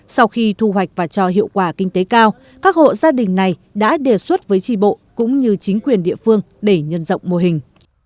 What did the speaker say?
sau khi thu hoạch và cho hiệu quả kinh tế cao các hộ gia đình này đã đề xuất với trì bộ cũng như chính quyền địa phương để nhân rộng mô hình